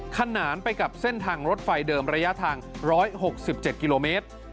ขนานไปกับเส้นทางรถไฟเดิมระยะทาง๑๖๗กิโลเมตร